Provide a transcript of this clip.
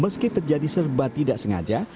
meski terjadi serba tidak sengaja